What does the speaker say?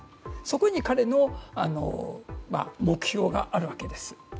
そこに彼の目標があるわけです。